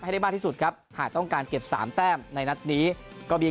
ให้ได้มากที่สุดครับหากต้องการเก็บสามแต้มในนัดนี้ก็มี